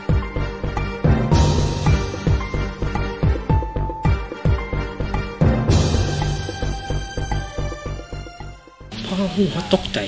กินโทษส่องแล้วอย่างนี้ก็ได้